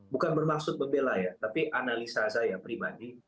bukan bermaksud membela ya tapi analisa saya pribadi